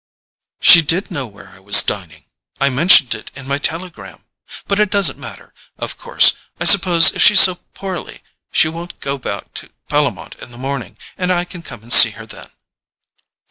"She did know where I was dining; I mentioned it in my telegram. But it doesn't matter, of course. I suppose if she's so poorly she won't go back to Bellomont in the morning, and I can come and see her then."